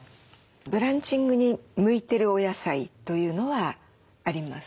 ブランチングに向いてるお野菜というのはあります？